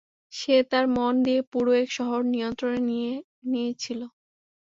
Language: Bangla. সে তার মন দিয়ে পুরো এক শহর নিয়ন্ত্রণে নিয়ে নিয়েছিল।